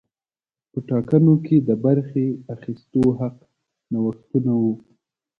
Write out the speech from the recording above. په ټاکنو کې د برخې اخیستو حق نوښتونه وو.